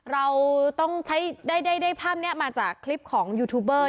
เราต้องใช้ได้ภาพนี้มาจากคลิปของยูทูบเบอร์